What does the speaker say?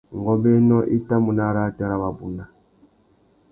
Ngôbēnô i tà mú nà arrātê râ wabunda .